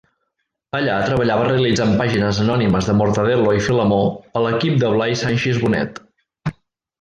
Allà treballava realitzant pàgines anònimes de Mortadel·lo i Filemó, a l'equip de Blai Sanchis Bonet.